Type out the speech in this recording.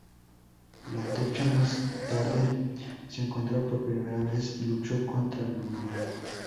La Antorcha más tarde se encontró por primera vez y luchó contra Namor.